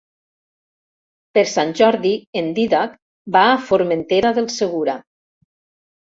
Per Sant Jordi en Dídac va a Formentera del Segura.